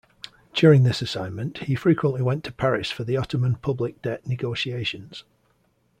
During this assignment, he frequently went to Paris for the Ottoman public debt negotiations.